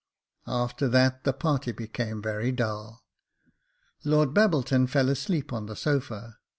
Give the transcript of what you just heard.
" After that the party became very dull. Lord Babbleton fell asleep on the sofa.